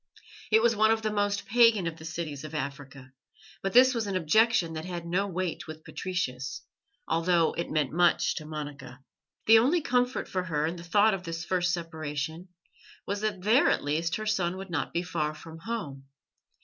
It was one of the most pagan of the cities of Africa, but this was an objection that had no weight with Patricius, although it meant much to Monica. The only comfort for her in the thought of this first separation was that there at least her son would not be far from home.